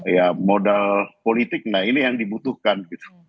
ya modal politik nah ini yang dibutuhkan gitu